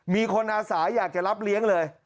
มีคนอาสาอยากจะรับเลี้ยงเลย